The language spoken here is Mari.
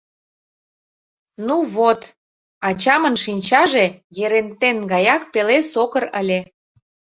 Ну, вот, ачамын шинчаже Ерентен гаяк пеле сокыр ыле.